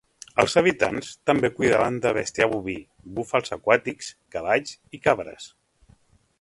Els habitants també cuidaven de bestiar boví, búfals aquàtics, cavalls i cabres.